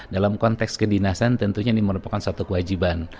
dalam konteks kedinasan tentunya ini merupakan satu kewajiban